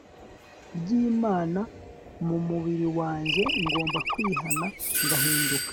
ryImana mu mubiri wanjye ngomba kwihana ngahinduka